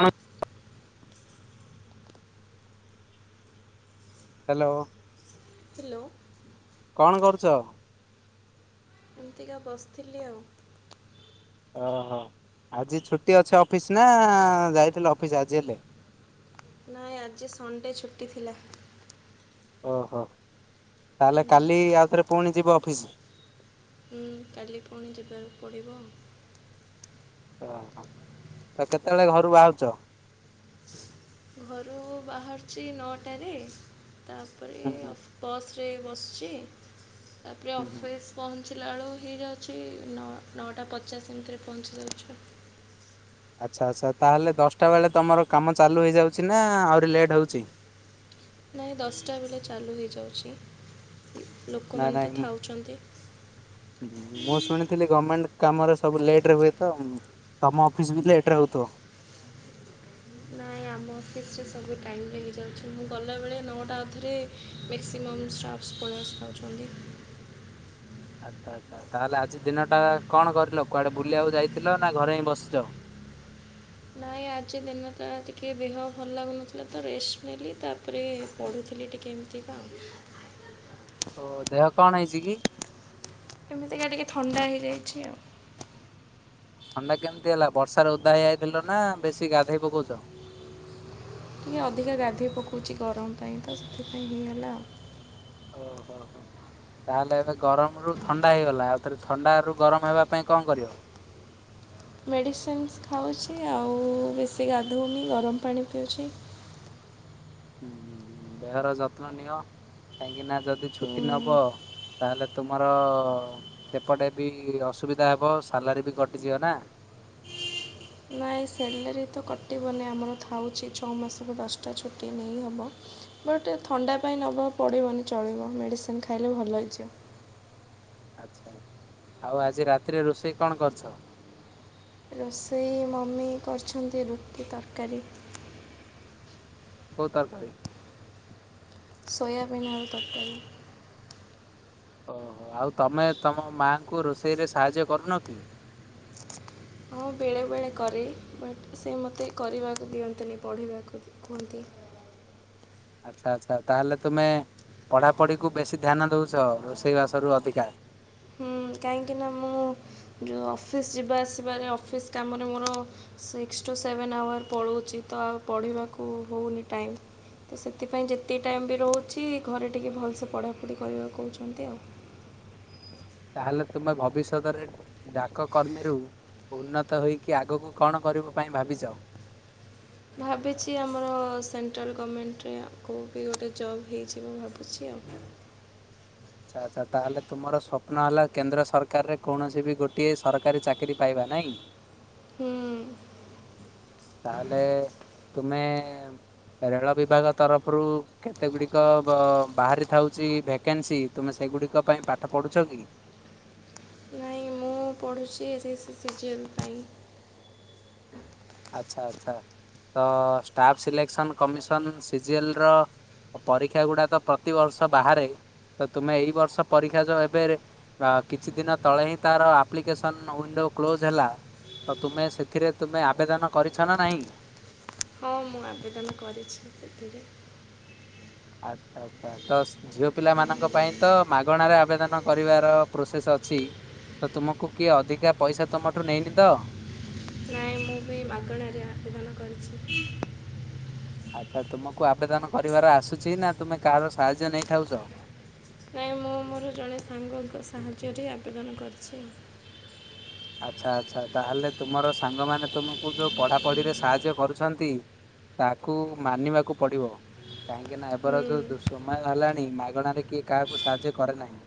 ହ। Hello. Hello. କଣ କରୁଛ? ଏମିତିକା ବସିଥିଲି ଆଉ। ଓହୋ ଆଜି ଛୁଟି ଅଛି ଅଫିସ ନା ଯାଇଥିଲେ ଅଫିସ ଆଜି ହେଲେ। ନାଇଁ ଆଜି ସନଣ୍ଡେ ଛୁଟି ଥିଲା। ଓହୋ ହୁଁ, ତାହେଲେ କାଲି ଆଉ ଥରେ ପୁଣି ଯିବ ଅଫିସ? ହୁଁ କାଲି ପୁଣି ଯିବାକୁ ପଡ଼ିବ। ଓହୋ ତ କେତେବେଳେ ଘରୁ ବାହାରୁଛ? ଘରୁ ବାହାରୁଛି ନଅଟାରେ ହୁଁ ହୁଁ ତାପରେଅ ବସ୍ ରେ ବସିଛି ତାପରେ ହୁଁ ହୁଁ ଅଫିସ୍ ପହଞ୍ଚ ପଞ୍ଚିଲା ବେଳୁ ହେଇଯାଉଛି ନଅ ନଅଟା ପଚାଶ ଏମିତିରେ ପହଞ୍ଚି ଯାଉଛି। ଆଚ୍ଛା ଆଚ୍ଛା ତାହେଲେ ଦଶଟା ବେଳେ ତମର କାମ ଚାଲୁ ହେଇଯାଉଛି ନା ଆହୁରି ଲେଟ୍ ହେଉଛି। [inaudible] ନହିଁ ଦଶଟା ବେଳେ ଚାଲୁ ହେଇଯାଉଛି ନା ଲୋକମାନେ ନାଇଁ? ତ ଥାଉଛନ୍ତି। ମୁଁ ଶୁଣିଥିଲି ଗଭର୍ଣମେଣ୍ଟ କାମରେ ସବୁ ଲେଟରେ ହୁଏତ ତମ ଅଫିସ ବିି ଲେଟରେ ହଉଥିବ। ନାଇଁ ଆମ ଅଫିସରେ ସବୁ ଟାଇମ୍ ଲାଗିଯାଉଛି ମୁଁ ଗଲାବେଳେ ନଅଟା ଅଧରେ ମକ୍ସିମମ କମ୍ ଷ୍ଟାଫ୍ସ ପଳେଇ ଆସିଥାଉଛନ୍ତି। [inaudible] ଆଚ୍ଛା ଆଚ୍ଛା ତାହେଲେ ଆଜି ଦିନଟା କଣ କରିଲ କୁଆଡେ ବୁଲିବାକୁ ଯାଇଥିଲ ନା ଘରେ ହିଁ ବସିଛ? [inaudible] ଭାଇ ଆଜି ଦିନଟା ଟିକେ ଦେହ ଭଲ ଲାଗୁନଥିଲା ତ ରେଷ୍ଟ ନେଲି ତାପରେ ପଢ଼ୁଥିଲି ଟିକେ। ଏମିତିକା ଆଉ। ଓ ଦେହ କଣ ହେଇଛି କି? କେମିତିକା ଟିକେ ଥଣ୍ଡା ହେଇଯାଇଛି ଆଉ। ଥଣ୍ଡା କେମିତି ହେଲା ବର୍ଷାରେ ଉଧା ହେଇଯାଇଥିଲ ନା ବେଶୀ ଗାଧୋଇ ପକଉଛ। ଟିକେ ଅଧିକା ଗାଧୋଇ ପକଉଛି ଗରମ ପାଇଁ ତ ସେଥିପାଇଁ ହିଁ ହେଇଗଲା। ଓ ହୋ ହୋ। ତାହେଲେ ଏବେ ଗରମରୁ ଥଣ୍ଡା ହେଇଗଲା ଆଉ ଥରେ ଥଣ୍ଡା ରୁ ଗରମ ହେବା ପାଇଁ କଣ କରିବ? [inaudible] ମେଡ଼ିସିନ୍ସ ଖାଉଛି ଆଉ ବେଶୀ ଗାଧଉନି ଗରମ ପାଣି ପିଉଛି। ହୁଁ ହଁ ଦେହର ଯତ୍ନ ନିଅ କାହିଁକିନା ଯଦି ଛୁଟି ନବ ତାହେଲେ ତୁମର ସେପଟେ ବି ଅସୁବିଧା ହେବ ସାଲାରୀ ବି କଟିଯିବନା। [inaudible] ନା। ନା ସେଲେରୀ ତ କଟିବନି ଆମର ଥାଉଛି ଛଅ ମାସକୁ ଦଶଟା ଛୁଟି ନେଇହବ। ଗୋଟେ ଥଣ୍ଡା ପାଇଁ ନେବା ପଡିବନି ଚଳିବ ମେଡିସିନ ଖାଇଲେ ଭଲ ହେଇଯିବ। [inaudible] ଆଛା ଆଉ ଆଜି ରାତିରେ ରୋଷେଇ କଣ କରୁଛ? ରୋଷେଇ ମମି କରିଛନ୍ତି ରୁଟି ତରକାରୀ। କୋଉ ତରକାରୀ? ସୋୟାବିନ୍ ଆଳୁ ତରକାରୀ। ଓହୋ ଆଉ ତମେ ତମ ମାଆଙ୍କୁ ରୋଷେଇରେ ସାହାଯ୍ୟ କରୁନ କି? [inaudible] ହଁ ବେଳେବେଳେ କରେ ବଟ ସେ ମୋତେ କରିବାକୁ ଦିଅନ୍ତିନି ପଢ଼ିବାକୁ କୁହନ୍ତି। ଆଚ୍ଛା ଆଚ୍ଛା ତାହଲେ ତୁମେ। ପଢାପଢି କୁ ବେଶୀ ଧ୍ୟାନ ଦଉଛ ରୋଷେଇବାସରୁ ଅଧିକା। ହୁଁ କାହିଁକି ନା ମୁଁ ଯେଉ ଅଫିସ ଯିବା ଆସିବାରେ ଅଫିସ୍ କାମରେ ମୋର। ସିକ୍ସ ଟୁ ସେଭେନ୍ ଆୱାର୍ ପଳଉଛି ତ ଆଉ ପଢ଼ିବାକୁ ହଉନି ଟାଇମ୍। ତ ସେଥିପାଇଁ ଯେତିକି ଟାଇମ୍ ବି ରହୁଛି ଘରେ ଟିକେ ଭଲସେ ପଢ଼ାପଢ଼ି କରିବାକୁ କହୁଛନ୍ତି ଆଉ। ତାହେଲେ ତୁମେ ଭବିଷ୍ୟତରେ ଡାକ କର୍ମୀରୁ। ଉନ୍ନତ ହୋଇକି ଆଗକୁ କଣ କରିବା ପାଇଁ ଭାବିଚ? ଭାବିଛି ଆମର ସେଣ୍ଟ୍ରାଲ୍ ଗମେଣ୍ଟରେ କଉ ବି ଗୋଟେ ଜବ୍ ହୋଇଯିବ ଭାବୁଛି ଆଉ। ଆଚ୍ଛା ଆଚ୍ଛା ତାହେଲେ ତୁମର ସ୍ୱପ୍ନ ହେଲା କେନ୍ଦ୍ର ସରକାରରେ କୌଣସି ବି ଗୋଟିଏ ସରକାରୀ ଚାକିରି ପାଇବା। ନାଇ। ହୁଁ। ତାହେଲେ ତୁମେ। ରେଳ ବିଭାଗ ତରଫରୁ କେତେ ଗୁଡିକ ବ-ବାହାରି ଥାଉଛି ଭେକେନ୍ସି ତୁମେ ସେ ଗୁଡିକ ପାଇଁ ପାଠ ପଢୁଛ କି? ନାଇଁ ମୁଁ ପଢ଼ୁଛି SC SC C G L ପାଇଁ। ଆଚ୍ଛା ଆଚ୍ଛା ତ staff selection commission C G L ର। ପରୀକ୍ଷା ଗୁଡା ତ ପ୍ରତିିବର୍ଷ ବାହାରେ। ତ ତୁମେ ଏଇ ବର୍ଷ ପରୀକ୍ଷା ଯୋଉ ଏବେ ଅ କିଛି ଦିନ ତଳେ ହିଁ ତାର ଆପ୍ଲିକେସନ ୱିଣ୍ଡୋ କ୍ଲୋଜ ହେଲା ତ ତୁମେ ସେଥିରେ ତୁମେ ଆବେଦନ କରିଛ ନା ନାହିଁ? ହଁ ମୁଁ ଆବେଦନ କରିଛି ସେଥିରେ। ଆଚ୍ଛା ଆଚ୍ଛା ତ ଝିଅ ପିଲାମାନଙ୍କ ପାଇଁ ତ। ମାଗଣାରେ ଆବେଦନ କରିବାର ପ୍ରୋସେସ୍ ଅଛି। ତ ତୁମକୁ କିଏ ଅଧିକା ପଇସା ତୁମଠୁ ନେଇନି ତ। ନାଇଁ ମୁଁ ବି ମାଗଣାରେ ଆବେଦନ କରିଛି। ଆଚ୍ଛା ତୁମକୁ ଆବେଦନ କରିବାର ଆସୁଛି ନା ତୁମେ କାହାର ସାହାଯ୍ୟ ନେଇଥାଉଛ? ନାଇଁ ମୁଁ ମୋର ଜଣେ ସାଙ୍ଗଙ୍କ ସାହାଯ୍ୟରେ ଆବେଦନ କରିଛି ଆଉ। ଆଚ୍ଛା ଆଚ୍ଛା ତାହେଲେ ତୁମର ସାଙ୍ଗମାନେ ତୁମକୁ ଯୋଉ ପଢାପଢିରେ ସାହାଯ୍ୟ କରୁଛନ୍ତି। ତାକୁ ମାନିବାକୁ ପଡ଼ିବ। କାହିଁକି ନା ଏବେର ଯୋଉ ଦୁଃସମୟ ହେଲାଣି ମାଗଣାରେ କିଏ କାହାକୁ ସାହାଯ୍ୟ କରେ ନାହିଁ।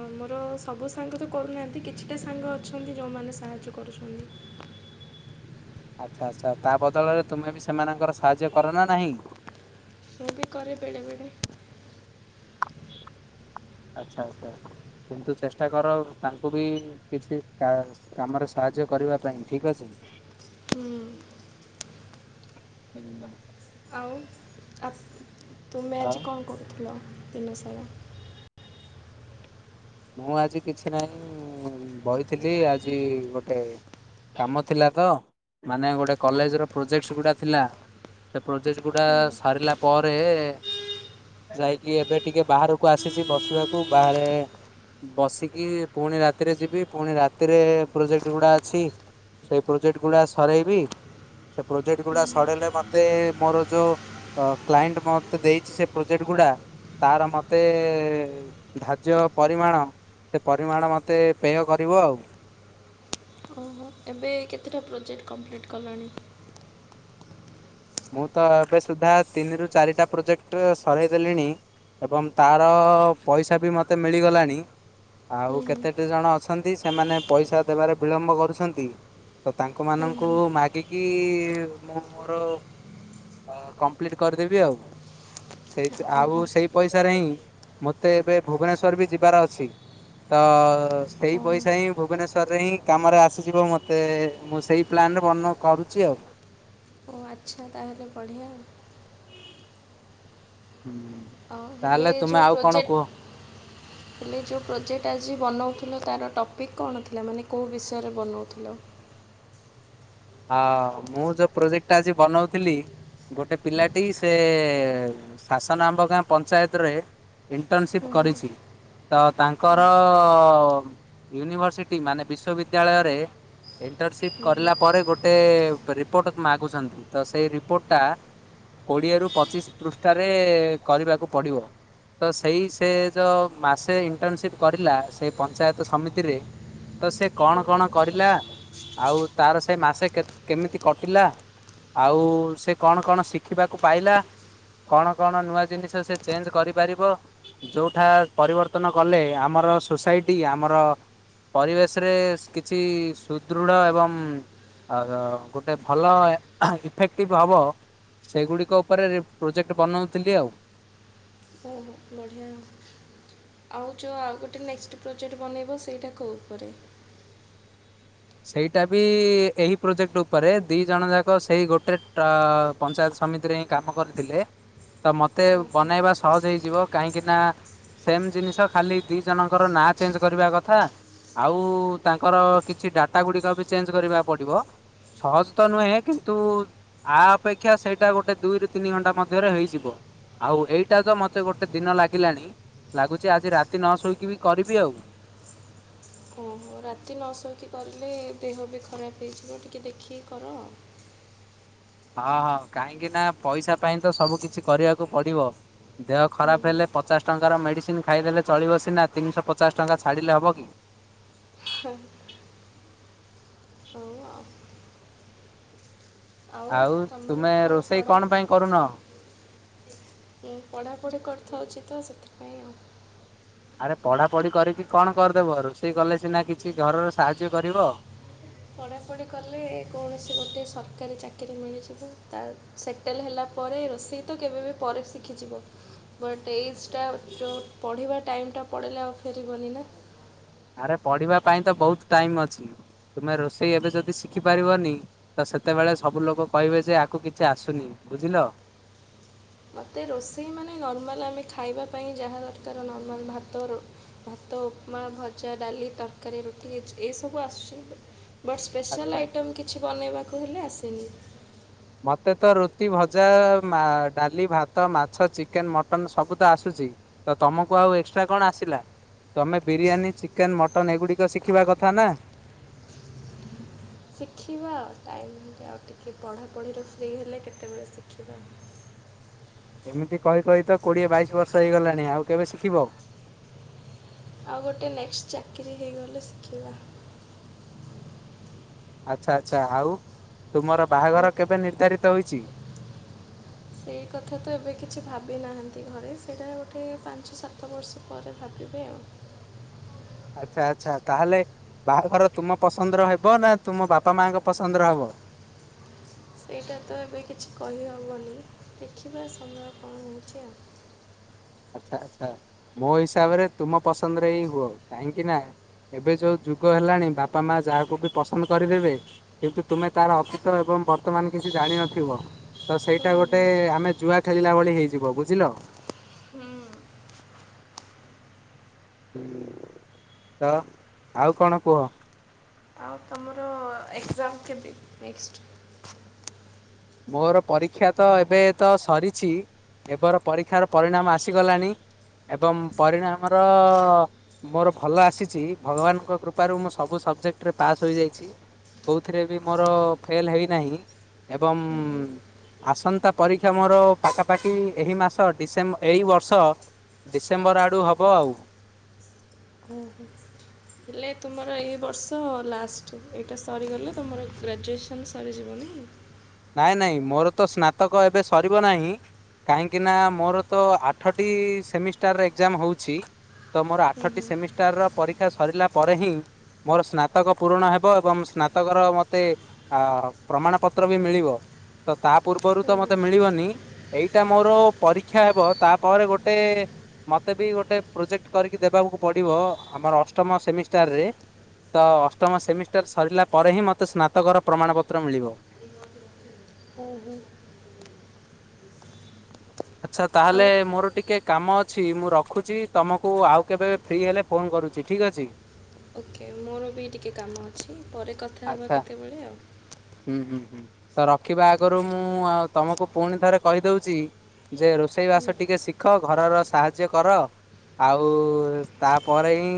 ଆମର ସବୁ ସାଙ୍ଗ ତ କରୁନାହାଁନ୍ତି କିଛିଟା ସାଙ୍ଗ ଅଛନ୍ତି ଯଉମାନେ ସାହାଯ୍ୟ କରୁଛନ୍ତି। ହ ଆଚ୍ଛା ଆଚ୍ଛା ତା ବଦଳରେ ତୁମେ ବି ସେମାନଙ୍କର ସାହାଯ୍ୟ କର ନା ନାହିଁ? ମୁଁ କରେ ବେଳେ ବେଳେ। ଆଚ୍ଛା ଆଚ୍ଛା କିନ୍ତୁ ଚେଷ୍ଟା କର ତାଙ୍କୁ ବି କିଛି କା-କାମରେ ସାହ ଯ୍ୟ କରିବା ପାଇଁ ଠିକ ଅଛି। ହୁଁ। ହୁଁ। ଆଉ। ତୁମେ ଆଉ ଆଜି କଣ କରୁଥିଲ ଦିନ ସାରା? ମୁଁ ଆଜି କିଛି ନାହିଁ ବଇଥିଲି ଆଜି ଗୋଟେ। କାମ ଥିଲା ତ ମାନେ ଗୋଟେ କଲେଜ ର ପ୍ରୋଜେକ୍ଟସ ଗୁଟା ଥିଲା ସେ ପ୍ରୋଜେସ ଗୁଡା ସାରିଲା ପ ଏ ଯାଇକି ଏବେ ଟିକେ ବାହାରକୁ ଆସିଛି ବସିବାକୁ ବାହାରେ। ବସିକି ପୁଣି ରାତିରେ ଯିବି ପୁଣି ରାତିରେ ପ୍ରୋଜେକ୍ଟ ଗୁଡା ଅଛି। ସେଇ ପ୍ରୋଜେକ୍ଟ ଗୁଡା ସରେଇବି ସେ ପ୍ରୋଜେକ୍ଟ ଗୁଡା ସରେଇଲେ ମତେ ମୋର ଯୋଉ କ୍ଲାଏଣ୍ଟ ମତେ ଦେଇଛି ସେ ପ୍ରୋଜେକ୍ଟ ଗ ଗୁଡ଼ା ତାର ମୋତେ ଧାର୍ଯ୍ୟ ପରିମାଣ ସେ ପରିମାଣ ମତେ ପେୟ କରିବ ଆଉ। ଓ ହୋ ଏବେ କେତେଟା ପ୍ରୋଜେକ୍ଟ କମ୍ପ୍ଲିଟ୍ କଲଣି? ମୁଁ ତ ଏବେ ସୁଦ୍ଧା ତିନିରୁ ଚାରିଟା ପ୍ରୋଜେକ୍ଟ ସରାଇ ଦେଲିଣି। ଏବଂ ତାର ପଇସା ବି ମୋତେ ମିଳିଗଲାଣି। ଆଉ କେତେଟି ଜଣ ଅଛନ୍ତି ସେମାନେ ପଇସା ଦେବାରେ ବିଳମ୍ବ କରୁଛନ୍ତି। ତ ତାଙ୍କ ମାନଙ୍କୁ ମାଗିକି ମୁଁ ମୋର କମ୍ପ୍ଲିଟ କରିଦେବି ଆଉ। ସେ ଆଉ ଓହୋ ସେଇ ପଇସାରେ ହିଁ ମୋତେ ଏବେ ଭୁବନେଶ୍ୱଵର ବି ଯିବାର ଅଛି। ତ ସେଇ ଓ ପଇସା ହିଁ ଭୁବନେଶ୍ୱର ହିଁ କାମରେ ଆସିଯିବ ମତେ ମୁଁ ସେଇ ପ୍ଲାନ୍ ବନ କରୁଛି ଆଉ। ଉ ଆଚ୍ଛା ତାହେଲେ ବଢ଼ିଆ। ଆଉ ହେଲେ ତାହେଲେ ଏ ତୁମେ ଯଉ ଆଉ କଣ କୁହ? ପ୍ରୋଜେକ୍ଟ ହେଲେ ଯେଉଁ ପ୍ରୋଜେକ୍ଟ ଆଜି ବନାଉଥିଲ ତାର ଟପିକ୍ କଣ ଥିଲା ମାନେ କେଉଁ ବିଷୟରେ ବନାଉଥିଲ। ହଁ ହଁ ମୁଁ ଯୋଉ ପ୍ରୋଜେକ୍ଟଟା ଆଜି ବନଉଥିଲି ଗୋଟେ ପିଲାଟି ସେ ଶାସନ ଆମ୍ବ ଗାଁ ପଞ୍ଚାୟତରେ ଇଣ୍ଟର୍ନସିପ୍ ହୁଁ ହୁଁ କରିଛି। ତ ତାଙ୍କର ୟୁନିଭର୍ସିଟି ମାନେ ବିଶ୍ୱ ବିଦ୍ୟାଳୟରେ ଇଣ୍ଟର୍ନସିପ୍ କରିଲା ପରେ ଗୋଟେ ରିପୋର୍ଟ ମାଗୁଛନ୍ତି ତ ସେଇ ରିପୋର୍ଟଟା କୋଡିଏ ରୁ ପଚିଶ ପୃଷ୍ଠାରେ କରିବାକୁ ପଡିବ। ତ ସେଇ ସେ ଯେଉ ମାସେ ଇଣ୍ଟର୍ନସିପ୍ କରିଲା ସେଇ ପଞ୍ଚାୟତ ସମିତିରେ ତ ସେ କଣ କଣ କରିଲା ଆଉ ତାର ସେ ମାସେ କେମିତି କଟିଲା ଆଉ ସେ କଣ କଣ ଶିଖିବାକୁ ପାଇଲା କଣ କଣ ନୂଆ ଜିନିଷ ସେ ଚେଞ୍ଜ କରିପାରିବ ଯୋଉଠା ପରିବର୍ତ୍ତନ କଲେ ଆମର ଆମର ସୋସାଇଟି ଆମର ପରିବେଶରେ କିଛି ସୁଦୃଢ଼ ଏବଂ ଆ ଗୋଟେ ଭଲ ଇଫେକ୍ଟିଭ ହବ। ସେଗୁଡିକ ଉପରେ ପ୍ରୋଜେକ୍ଟ ବନଉଥିଲି ଆଉ। ବହୁ ବଢ଼ିଆଁ। ଆଉ ଯଉଁ ଆଉ ଗୋଟେ ନେକ୍ସଟ ପ୍ରୋଜେକ୍ଟ ବନେଇବ ସେଇଟା କୋଉ ଉପରେ? ସେଇଟା ବି ଏହି ପ୍ରୋଜେକ୍ଟ ଉପରେ ଦି ଜଣ ଯାକ ସେଇ ଗୋଟେ ଟା ପଞ୍ଚାୟତ ସମିତିରେ ହିଁ କାମ କରିଥିଲେ, ତ ମୋତେ ଓହୋ ବନାଇବା ସହଜ ହେଇଯିବ କାହିଁକିନା ସେମ୍ ଜିନିଷ ଖାଲି ଦିଇ ଜଣଙ୍କର ନାଁ ଚେଞ୍ଜ କରିବା କଥା ଆଉ ତାଙ୍କର କିଛି ଡାଟା ଗୁଡ଼ିକ ବି ଚେଞ୍ଜ କରିବାକୁ ପଡ଼ିବ। ସହଜ ତ ନୁହେଁ କିନ୍ତୁ ଆ ଅପେକ୍ଷା ସେଇଟା ଗୋଟେ ଦୁଇରୁ ତିନି ଘଣ୍ଟା ମଧ୍ୟରେ ହେଇଯିବ। ଆଉ ଏଇଟା ତ ମତେ ଗୋଟେ ଦିନ ଲାଗିଲାଣି। ଲାଗୁଛି ଆଜି ରାତି ନ ଶୋଇକି ବି କରିବି ଆଉ। ଓହୋ ରାତି ନଶୋଇକି କରିଲେ ଦେହ ବି ଖରାପ ହେଇଯିବ ଟିକେ ଦେଖିକି କର ହଁ ହଁ କାହିଁକି ନା ପଇସା ପାଇଁ ତ ସବୁ କିଛି କରିବାକୁ ପଡିବ। ଦେହ ହୁଁ ଖରାପ ହୁଁ ହେଲେ ପଚାଶ ଟଙ୍କା ଙ୍କାର ମେଡ଼ିସିନ ଖାଇଦେଲେ ଚଳିବ ସିନା ତିନିଶହ ପଚାଶ ଟଙ୍କା ଛାଡ଼ିଲେ ହେବ କି? ହଁ। ଆଉ ତୁମର ତୁମେ କ'ଣ ରୋଷେଇ ପଢ଼ା କଣ ପାଇଁ କରୁନାହ? ମୁ ପଢ଼ାପଢ଼ି କରିଥାଉଛି ତ ସେଥିପାଇଁ ଆଉ। ଆରେ ପଢ଼ାପଢ଼ି କରିକି କଣ କରିଦେବ ରୋଷେଇ କଲେ ସିନା କିଛି ଘରର ସାହାଯ୍ୟ କରିବ। ପଢ଼ାପଢ଼ି କଲେ କୌଣସି ଗୋଟିଏ ସରକାରୀ ଚାକିରି ମିଳିଯିବ ତା ସେଟେଲ୍ ହେଲା ପରେ ରୋଷେଇ ତ କେବେ ବି ପରେ ଶିଖିଯିବ। ବଟ୍ ଏଜ୍ ଟା ଯଉ ପଢ଼ିବା ଟାଇମଟା ପଳେଇଲେ ଆଉ ଫେରିବନି ନା। ଆରେ ପଢିବା ପାଇଁ ତ ବହୁତ ଟାଇମ ଅଛି ତୁମେ ରୋଷେଇ ଏବେ ଯଦି ଶିଖି ପାରିବନି ତ ସେତେବେଳେ ସବୁ ଲୋକ କହିବେ ଆକୁ କିଛି ଆସୁନି ବୁଝିଲ। ମୋତେ ରୋଷେଇ ମାନେ ନର୍ମାଲ ଆମେ ଖାଇବା ପାଇଁ ଯାହା ଦରକାର ନର୍ମାଲ୍ ଭାତ ରୋ ଭାତ। ଉପମା ଭଜା ଡାଲି ତରକାରୀ ରୁଟି ଏଇ ସବୁ ଆସୁଛି। ବଟ୍ ସ୍ପେଶାଲ୍ ଆଚ୍ଛା। ଆଇଟମ୍ କିଛି ବନାଇବାକୁ ହେଲେ ଆସେନି। ମୋତେ ତ ରୁତି ଭଜା ମା ଡାଲି, ଭାତ, ମାଛ, ଚିକେନ୍, ମଟନ୍ ସବୁ ତ ଆସୁଛି। ତ ତମକୁ ଆଉ ଏକ୍ସଟ୍ରା କଣ ଆସିଲା? ତମେ ବିରିୟାନୀ ଚିକେନ ମଟନ୍ ଏଗୁଡ଼ିକ ଶିଖିବା କଥା ନା। [inaudible] ଶିଖିବା ଆଉ ଟାଇମ୍ ଆଉ ଟିକେ ପଢ଼ାପଢ଼ିରେ ଫ୍ରି ହେଲେ କେତେବେଳେ ଶିଖିବା। [inaudible] ଏମିତି କହି କହି ତ କୋଡିଏ ବାଇଶି ବର୍ଷ ହେଇଗଲାଣି ଆଉ କେବେ ଶିଖିବ? ଆଉ ଗୋଟେ ନେକ୍ସଟ ଚାକିରି ହେଇଗଲେ ଶିଖିବା। ଆଚ୍ଛା ଆଚ୍ଛା ଆଉ ତୁମର ଆଉ ବାହାଘର କେବେ ନିର୍ଦ୍ଧାରିତ ହୋଇଛି? ସେଇ କଥା ତ ଏବେ କିଛି ଭାବି ନାହାନ୍ତି ଘରେ ସେଇଟା ଗୋଟେ ପାଞ୍ଚ ସାତ ବର୍ଷ ପରେ ଭାବି ଏ ଆଉ ଆଚଛା ଆଚ୍ଛା ତାହେଲେ ବାହାଘର ତୁମ ପସନ୍ଦର ହେବ ନା ତୁମ ବାପା ମାଙ୍କ ପସନ୍ଦର ହବ। ସେଇଟା ତ ଏବେ କିଛି କହିହେବନି ଦେଖିବା ସମୟ କଣ ହଉଛି ଆଉ। ଆଛା ଆଛା ମୋ ହିସାବରେ ତୁମ ପସନ୍ଦରେ ଏଇ ହୁଅ କାହିଁକି ନା ଏବେ ଯୋଉ ଯୁଗ ହେଲାଣି ବାପା ମା ଯାହାକୁ ବି ପସନ୍ଦ କରିଦେବେ କିନ୍ତୁ ତୁମେ ତାର ଅତୀତ ଏବଂ ବର୍ତ୍ତମାନ କିଛି ଜାଣିିନଥିବ ତ ସେଇଟା ହୁଁ ହୁଁ ଗୋଟେ ଆମେ ଜୁଆ ଖେଳିଲା ଭଳି ହେଇଯିବ ବୁଝିଲ। [inaudible] ହଁ ଆଉ କଣ କୁହ? ଆଉ ତମର ଏକ୍ଜାମ କେବେ ନେକ୍ସଟ। ମୋର ପରୀକ୍ଷା ତ ଏବେ ତ ସରିଛି। ଏବର ପରୀକ୍ଷାର ପରିଣାମ ଆସିଗଲାଣି ଏବଂ ପରିଣାମର ମୋର ଭଲ ଆସିଛି ଭଗବାନଙ୍କ କୃପାରୁ ମୁଁ ସବୁ ସବଜେକ୍ଟରେ ପାସ୍ ହୋଇଯାଇଛି। କୋଉଥିରେ ବି ମୋର ଫେଲ ହେଇନାହିଁ ଏବଂ ଆସନ୍ତା ପରୀକ୍ଷା ମୋର ପାଖାପାଖି ଏହି ମାସ ଡିସେମ୍ବ ଏଇ ବର୍ଷ ଡିସେମ୍ବର ଆଡୁ ହବ ଆଉ। ଓ ହୋ। ହେଲେ ତୁମର ଏଇ ବର୍ଷ ଲାଷ୍ଟ ଏଇଟା ସରିଗଲେ ତୁମର ଗ୍ରାଜୁଏସନ୍ ସରିଯିବ ନାଇଁ। ନାଇଁ ନାଇଁ ମୋର ତ ସ୍ନାତକ ଏବେ ସରିବ ନାହିଁ। କାହିଁକି ନା ମୋର ତ ଆଠଟି ସେମିଷ୍ଟାର ଏକ୍ଜାମ ହଉଛି। ତ ମୋର ହୁଁ ଆଠଟି ହୁଁ ସେମିଷ୍ଟାରର ପରୀକ୍ଷା ସରିଲା ପରେ ହିଁ ମୋର ସ୍ନାତକ ପୂରଣ ହେବ ଏବଂ ସ୍ନାତକର ମତେ ପ୍ରମାଣ ପତ୍ର ମିଳିବ। ତ ତା ପୂର୍ବରୁ ହୁଁ ତ ମତେ ହୁଁ ମିଳିବନି ଏଇଟା ମୋର ପରୀକ୍ଷା ହେବ ତାପରେ ଗୋଟେ ମତେ ବି ଗୋଟେ ପ୍ରୋଜେକ୍ଟ କରିକି ଦେବାକୁ ପଡିବ ଆମର ଅଷ୍ଟମ ସେମିଷ୍ଟାର ରେ। ତ ଅଷ୍ଟମ ସେମିଷ୍ଟର ସରିଲା ପରେ ହିଁ ମୋତେ ସ୍ନାତକର ପ୍ରମାଣପତ୍ର ମିଳିବ। ଓହୋ ଆଚ୍ଛା ତାହେଲେ ଆଉ ମୋର ଟିକେ କାମ ଅଛି ମୁଁ ରଖୁଛି ତମକୁ ଆଉ କେବେ ଫ୍ରି ହେଲେ ଫୋନ କରୁଛି ଠିକ ଅଛି। ଓକେ ମୋର ବି ଟିକିଏ କାମ ଅଛି ପରେ କଥା ହେବା କେତେବେଳେ ଆଉ। ହଁ ତ ରଖିବା ଆଗରୁ ମୁଁ ଆଉ ତମକୁ ପୁଣି ଥରେ କହିଦଉଛି ଯେ ରୋଷେଇ ବାସ ଟିକେ ଶିଖ ଘରର ସାହାଯ୍ୟ କର। ଆଉ ତାପରେ ହିଁ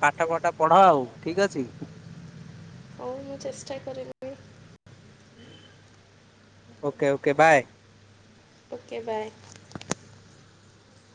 ପାଠ ପାଠ ପଢ ଆଉ ଠିକ ଅଛି। [inaudible] ହଉ ମୁଁ ଚେଷ୍ଟା କରିବି। Okay okay bye. Okay bye.